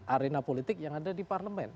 arena politik yang ada di parlemen